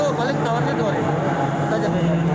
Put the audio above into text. apalagi tawar jawa